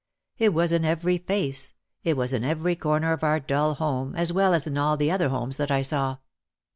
It was in every face, it was in every corner of our dull home as well as in all the other homes that I saw.